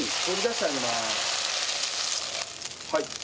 はい。